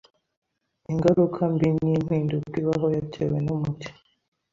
Ingaruka mbi ni impinduka ibaho yatewe n'umuti